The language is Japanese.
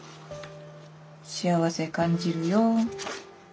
「幸せ感じるよ」。